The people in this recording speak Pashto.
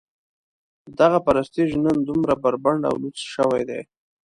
دغه پرستیژ نن دومره بربنډ او لوڅ شوی دی.